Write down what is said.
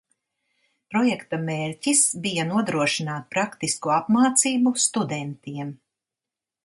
Projekta mērķis bija nodrošināt praktisku apmācību studentiem.